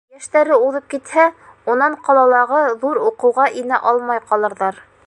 Йәштәре уҙып китһә, унан ҡалалағы ҙур уҡыуға инә алмай ҡалырҙар.